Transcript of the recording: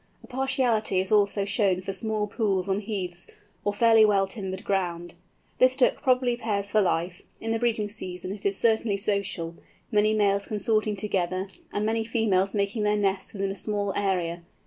A partiality is also shown for small pools on heaths, or fairly well timbered ground. This Duck probably pairs for life; in the breeding season it is certainly social, many males consorting together, and many females making their nests within a small area.